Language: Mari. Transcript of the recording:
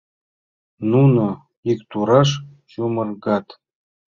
Нуно иктураш чумыргат.